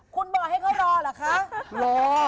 คุณบอกให้เขารอเหรอคะรอ